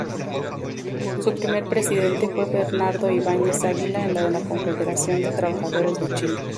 Su primer presidente fue Bernardo Ibáñez Águila de la Confederación de Trabajadores de Chile.